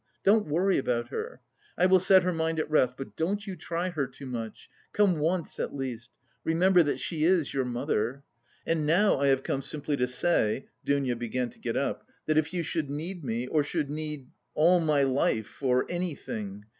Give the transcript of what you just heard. Don't worry about her; I will set her mind at rest; but don't you try her too much come once at least; remember that she is your mother. And now I have come simply to say" (Dounia began to get up) "that if you should need me or should need... all my life or anything...